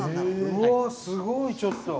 うわすごいちょっと。